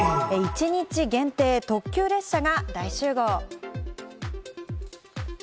一日限定、特急列車が大集合！